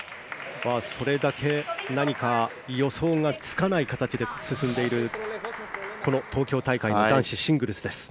それだけ何か予想がつかない形で進んでいるこの東京大会の男子シングルスです。